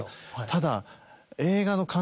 ただ。